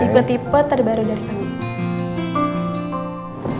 tipe tipe terbaru dari kami